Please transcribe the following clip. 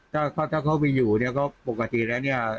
ถ้าถ้าเขามีอยู่เนี่ยก็ปกติแล้วเนี่ย